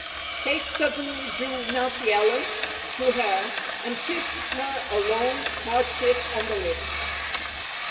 Kate suddenly drew Nancy Ellen to her and kissed her a long, hard kiss on the lips.